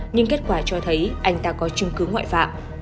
nhưng kết quả cho thấy anh ta có chứng cứ ngoại phạm